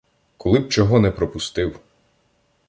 Коли б чого не пропустив.